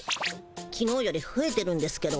きのうよりふえてるんですけど。